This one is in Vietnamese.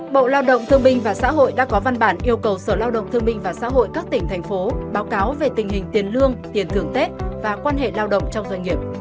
bộ lao động thương binh và xã hội đã có văn bản yêu cầu sở lao động thương minh và xã hội các tỉnh thành phố báo cáo về tình hình tiền lương tiền thưởng tết và quan hệ lao động trong doanh nghiệp